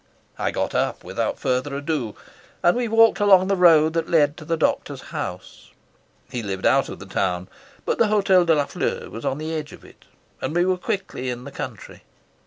I got up without further ado, and we walked along the road that led to the doctor's house. He lived out of the town, but the Hotel de la Fleur was on the edge of it, and we were quickly in the country.